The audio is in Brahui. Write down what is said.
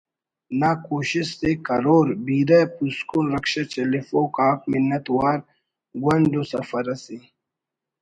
نا کوشست ءِ کرور بیرہ پوسکن رکشہ چلیفوک آک منت وار گونڈ ءُ سفر اسے